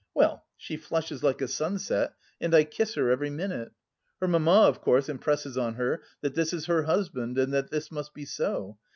Well, she flushes like a sunset and I kiss her every minute. Her mamma of course impresses on her that this is her husband and that this must be so.